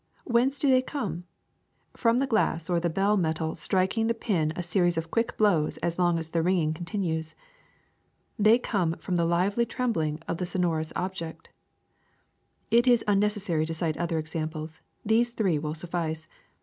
Whence do they come? From the glass or the bell metal striking the pin a series of quick blows as long as the ringing continues. They come from the lively trembling of the sonorous object. ^^It is unnecessary to cite other examples; these three will suffice.